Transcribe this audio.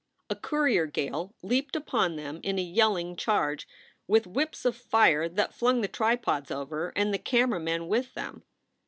A courier gale leaped upon them in a yelling charge, with whips of fire that flung the tripods over, and the camera men with them.